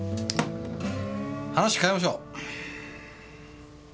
話変えましょう。